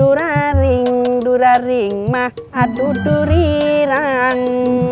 durilang aduduraring duraring mah adudurirang